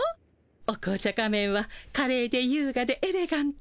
お紅茶仮面はかれいでゆうがでエレガント。